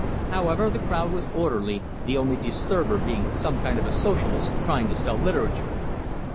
However, the crowd was orderly, the only disturber being some kind of a Socialist trying to sell literature.